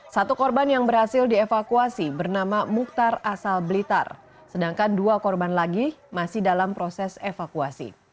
satu korban yang berhasil dievakuasi bernama mukhtar asal blitar sedangkan dua korban lagi masih dalam proses evakuasi